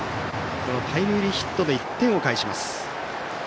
タイムリーヒットで１点を返します。